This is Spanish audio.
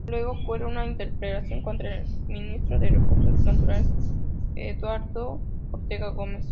Luego ocurre una interpelación contra el Ministro de Recursos Naturales, Eduardo Ortega Gómez.